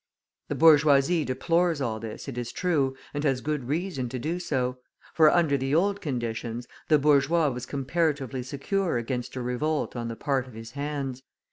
The bourgeoisie deplores all this, it is true, and has good reason to do so; for, under the old conditions, the bourgeois was comparatively secure against a revolt on the part of his hands.